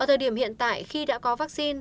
ở thời điểm hiện tại khi đã có vaccine